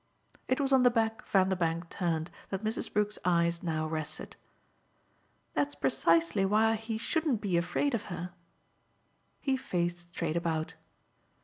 It was on the back Vanderbank turned that Mrs. Brook's eyes now rested. "That's precisely why he shouldn't be afraid of her." He faced straight about.